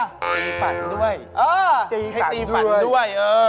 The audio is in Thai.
ตีฝันด้วยตีกันด้วยให้ตีฝันด้วยเออ